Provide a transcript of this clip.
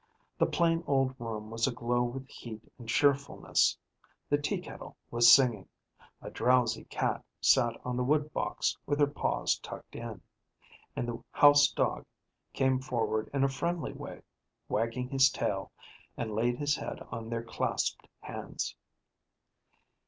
The plain old room was aglow with heat and cheerfulness; the tea kettle was singing; a drowsy cat sat on the wood box with her paws tucked in; and the house dog came forward in a friendly way, wagging his tail, and laid his head on their clasped hands.